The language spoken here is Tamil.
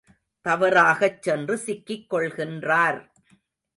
தவறாகச் சென்று சிக்கிக் கொள்கின்றார்.